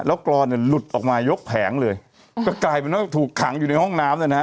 แล้วกรอนเนี่ยหลุดออกมายกแผงเลยก็กลายเป็นว่าถูกขังอยู่ในห้องน้ำนะฮะ